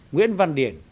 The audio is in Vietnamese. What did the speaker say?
nguyễn văn điển